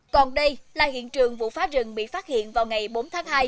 còn đây là hiện trường vụ phá rừng bị phát hiện vào ngày bốn tháng hai